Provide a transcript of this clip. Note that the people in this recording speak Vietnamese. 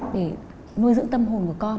để nuôi dưỡng tâm hồn của con